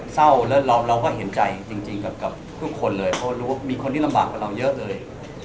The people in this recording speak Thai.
เศร้าแล้วเราก็เห็นใจจริงกับทุกคนเลยเพราะรู้ว่ามีคนที่ลำบากกว่าเราเยอะเลย